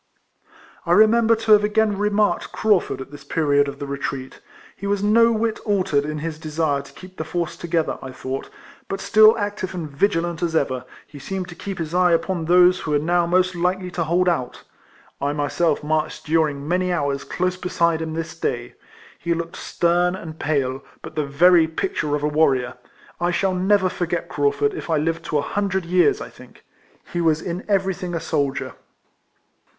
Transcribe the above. I remember to have again remarked Craufurd at this period of the retreat. He was no whit altered in his desire to keep the force together, I thought; but still active and vigilant as ever, he seemed to keep his eye upon those who were now most likely to hold out. I myself marched during many hours close beside him this day. He looked stern and pale; but the very picture of a warrior. I shall never forget Craufurd if I live to a hundred years, I think. He was in everything a soldier.